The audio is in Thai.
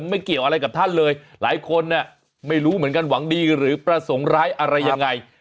ไม่เกี่ยวอะไรกับท่านเลยหลายคนไม่รู้เหมือนกันหวังดีหรือประสงค์ร้ายอะไรยังไง